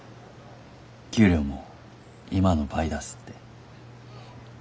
給料も今の倍出すて。